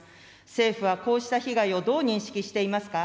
政府はこうした被害をどう認識していますか。